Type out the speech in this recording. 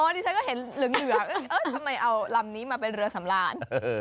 อ๋อนี่ฉันก็เห็นเหลือเอ๊ะทำไมเอาหลังนี้มาเป็นเรือสำราน